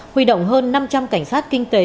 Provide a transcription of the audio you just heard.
huy động hơn năm trăm linh cảnh sát kinh tế